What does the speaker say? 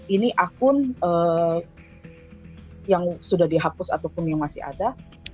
ini akun yang sudah dihapus ataupun yang masih ada